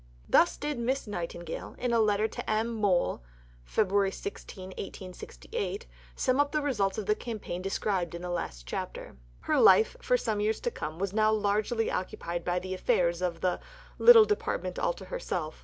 Thus did Miss Nightingale, in a letter to M. Mohl (Feb. 16, 1868), sum up the results of the campaign described in the last chapter. Her life, for some years to come, was now largely occupied with the affairs of the "little Department all to herself."